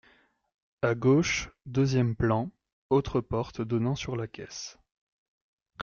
À gauche, deuxième plan, autre porte donnant sur la caisse.